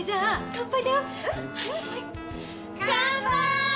乾杯！